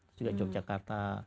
terus juga yogyakarta